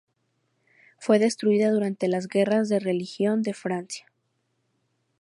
Fue destruida durante las Guerras de Religión de Francia.